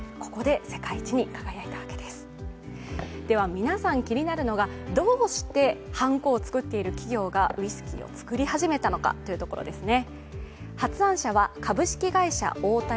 皆さん気になるのが、どうしてはんこを作っている企業がウイスキーを造り始めたのかというところですね。